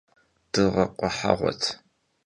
Дыгъэ къухьэгъуэт…